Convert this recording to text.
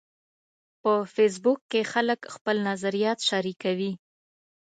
په فېسبوک کې خلک خپل نظریات شریکوي